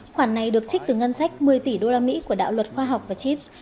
khoản này được trích từ ngân sách một mươi tỷ đô la mỹ của đạo luật khoa học và chips